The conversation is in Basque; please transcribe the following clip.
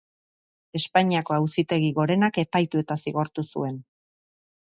Espainiako Auzitegi Gorenak epaitu eta zigortu zuen.